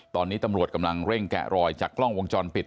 ตอนนี้ตำรวจกำลังเร่งแกะรอยจากกล้องวงจรปิด